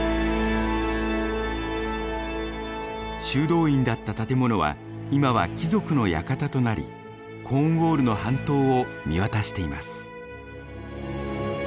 修道院だった建物は今は貴族の館となりコーンウォールの半島を見渡しています。